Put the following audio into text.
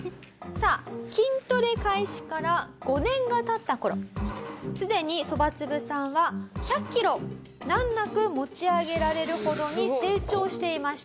さあ筋トレ開始から５年が経った頃すでにそばつぶさんは１００キロ難なく持ち上げられるほどに成長していました。